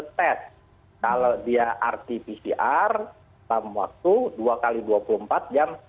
kalau dia rt pcr dalam waktu dua x dua puluh empat jam